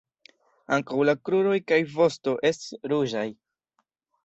Ankaŭ la kruroj kaj vosto estis ruĝaj.